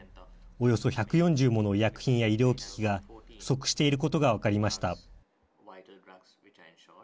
およそ１４０もの医薬品や医療機器が不足していることが分かりました。